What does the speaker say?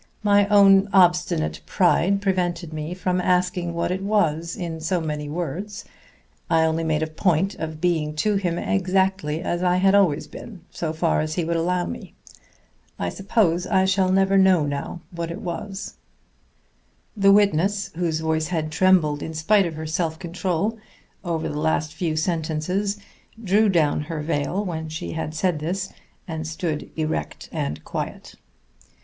My own obstinate pride prevented me from asking what it was in so many words; I only made a point of being to him exactly as I had always been, so far as he would allow me. I suppose I shall never know now what it was." The witness, whose voice had trembled in spite of her self control, over the last few sentences, drew down her veil when she had said this, and stood erect and quiet.